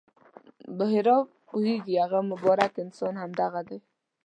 بحیرا پوهېږي هغه مبارک انسان همدغه دی.